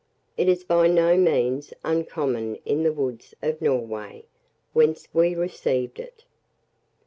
It is by no means uncommon in the woods of Norway, whence we received it.